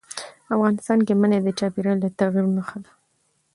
افغانستان کې منی د چاپېریال د تغیر نښه ده.